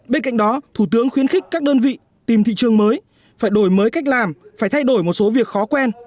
bên cạnh đó thủ tướng khuyến khích các đơn vị tìm thị trường mới phải đổi mới cách làm phải thay đổi một số việc khó quen